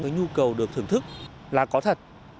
cái nhu cầu được thưởng thức là có thật